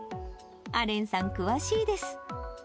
アレンさん、詳しいです。